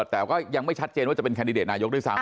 แต่ก็ยังไม่ชัดเจนว่าจะเป็นแคนดิเดตนายกด้วยซ้ำ